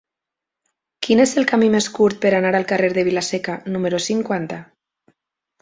Quin és el camí més curt per anar al carrer de Vila-seca número cinquanta?